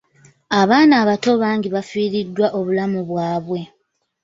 Abaana abato bangi bafiiriddwa obulamu bwabwe.